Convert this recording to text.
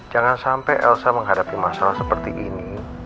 jangan sampai elsa menghadapi masalah seperti ini